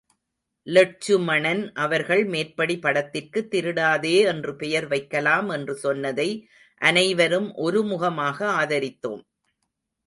லெட்சுமணன் அவர்கள் மேற்படி படத்திற்கு திருடாதே என்று பெயர் வைக்கலாம் என்று சொன்னதை அனைவரும் ஒருமுகமாக ஆதரித்தோம்.